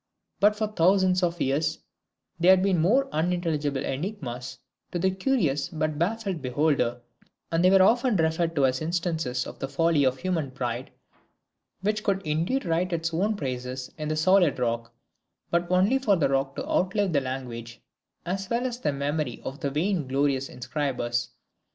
But for thousands of years they had been mere unintelligible enigmas to the curious but baffled beholder: and they were often referred to as instances of the folly of human pride, which could indeed write its own praises in the solid rock, but only for the rock to outlive the language as well as the memory of the vain glorious inscribers.